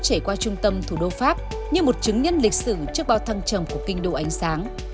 chảy qua trung tâm thủ đô pháp như một chứng nhân lịch sử trước bao thăng trầm của kinh đô ánh sáng